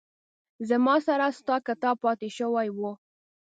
زما سره ستا کتاب پاتې شوي وه